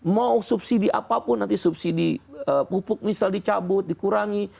mau subsidi apapun nanti subsidi pupuk misal dicabut dikurangi